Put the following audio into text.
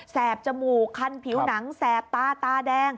แปบจมูกคันผิวหนังแสบตาตาแดง